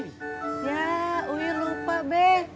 ya uy lupa be